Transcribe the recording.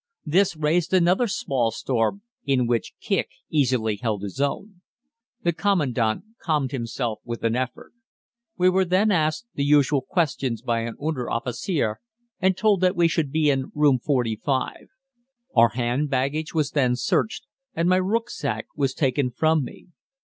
This raised another small storm, in which Kicq easily held his own. The Commandant calmed himself with an effort. We were then asked the usual questions by an Unteroffizier and told that we should be in Room 45. Our hand baggage was then searched, and my rücksack was taken from me.